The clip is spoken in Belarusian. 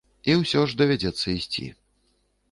І усё ж давядзецца ісці.